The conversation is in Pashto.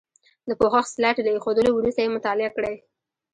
د پوښښ سلایډ له ایښودلو وروسته یې مطالعه کړئ.